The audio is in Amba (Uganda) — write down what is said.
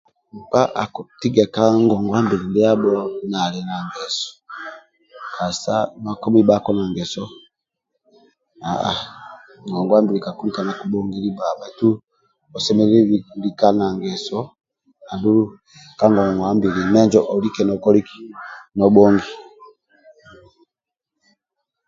Mkp akutiga ka ngongwambili ndiabo nali na ngeso kasita okoma bako na ngeso ngongwabili kakubongilya ba olinna ba nangeso andulu ka ngongwambili olike no bongi